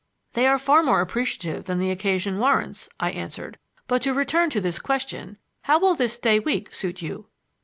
"They are far more appreciative than the occasion warrants," I answered. "But to return to this question: how will this day week suit you?"